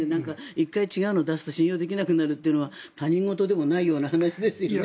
１回、違うのを出すと信用できなくなるというのは他人事でもないような話ですよね。